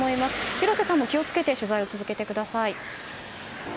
広瀬さんも気を付けて取材を続けてください。